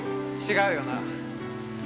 違うよな。